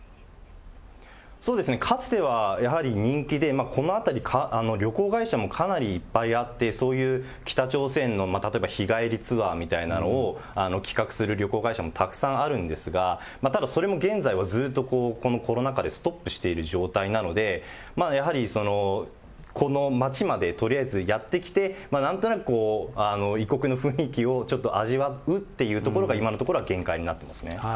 かつてはやはり人気で、この辺り、旅行会社もかなりいっぱいあって、そういう北朝鮮の例えば日帰りツアーみたいなのを企画する旅行会社もたくさんあるんですが、ただそれも現在はずっとこのコロナ禍でストップしている状態なので、やはりこの街までとりあえずやって来て、なんとなく異国の雰囲気をちょっと味わうっていうところが、今のところは限界になっていますね。